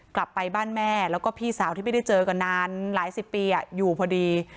กลับไปบ้านแม่แล้วก็พี่สาวที่ไม่ได้เจอกันนานหลายสิบปีอยู่พอดี